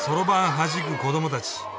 はじく子どもたち